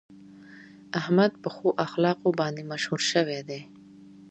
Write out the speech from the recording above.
احمد په ښو اخلاقو باندې مشهور شوی دی.